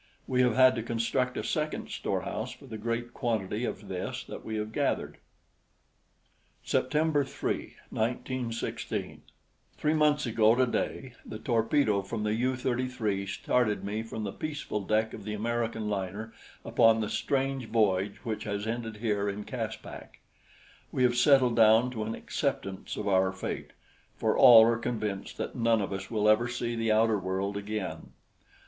We have had to construct a second store house for the great quantity of this that we have gathered. September 3, 1916: Three months ago today the torpedo from the U 33 started me from the peaceful deck of the American liner upon the strange voyage which has ended here in Caspak. We have settled down to an acceptance of our fate, for all are convinced that none of us will ever see the outer world again.